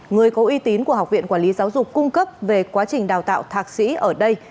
người có uy tín của học viện quản lý giáo dục cung cấp về quá trình đào tạo thạc sĩ ở đây